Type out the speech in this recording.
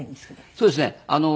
そうですね。